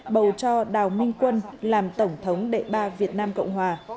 bầu cho đào minh quân làm tổng thống đệ ba việt nam cộng hòa